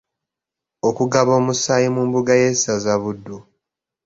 Okugaba omusaayi mu mbuga y’essaza Buddu.